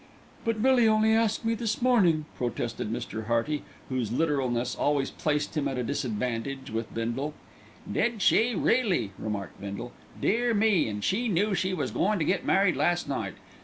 "But Millie only asked me this morning," protested Mr. Hearty, whose literalness always placed him at a disadvantage with Bindle. "Did she really?" remarked Bindle. "Dear me! an' she knew she was goin' to get married last night.